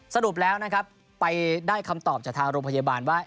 สรุปแล้วนะครับไปได้คำตอบจากทางโรงพยาบาลว่า